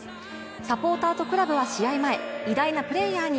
サポーターとクラブは試合前、偉大なプレーヤーに